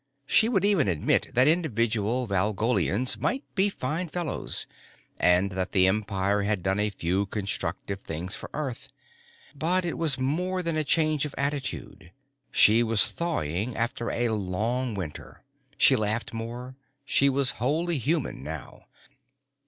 She would even admit that individual Valgolians might be fine fellows and that the Empire had done a few constructive things for Earth. But it was more than a change of attitude. She was thawing after a long winter, she laughed more, she was wholly human now.